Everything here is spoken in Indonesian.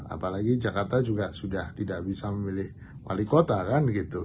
apalagi jakarta juga sudah tidak bisa memilih wali kota kan gitu